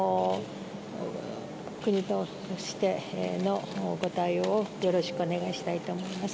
国としてのご対応をよろしくお願いしたいと思います。